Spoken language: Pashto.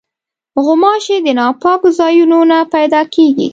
غوماشې د ناپاکو ځایونو نه پیدا کېږي.